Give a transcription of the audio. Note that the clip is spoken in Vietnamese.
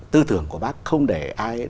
tư thưởng của bác không để ai